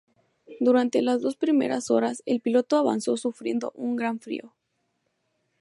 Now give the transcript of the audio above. Durante las dos primeras horas el piloto avanzó sufriendo un gran frío.